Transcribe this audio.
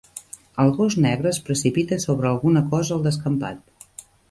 El gos negre es precipita sobre alguna cosa al descampat.